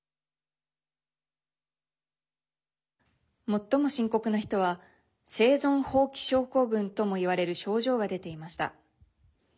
最も深刻な人は生存放棄症候群ともいわれる症状が出ていました。